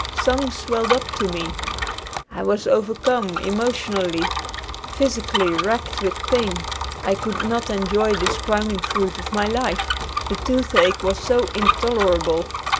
Songs swelled up to me. I was overcome, emotionally. Physically racked with pain, I could not enjoy this crowning fruit of my life, the toothache was so intolerable.